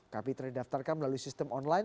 kapitra didaftarkan melalui sistem online